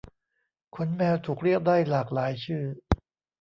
ขนแมวถูกเรียกได้หลากหลายชื่อ